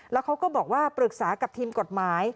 แล้วเขาก็บอกว่าปรึกษากับทีมกฎหมาย